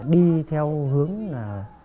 đi theo hướng là